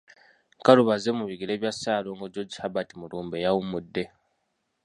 Nkalubo azze mu bigere bya Ssaalongo George Herbert Mulumba eyawummudde.